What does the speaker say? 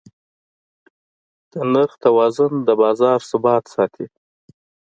د نرخ توازن د بازار ثبات ساتي.